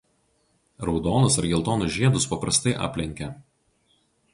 Raudonus ar geltonus žiedus paprastai aplenkia.